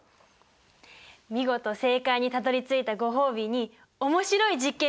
見事正解にたどりついたご褒美に面白い実験見せてあげる。